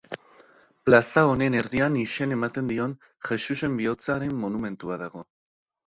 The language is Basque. Plaza honen erdian izen ematen dion Jesusen Bihotzaren monumentua dago.